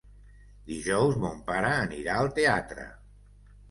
Dijous mon pare anirà al teatre.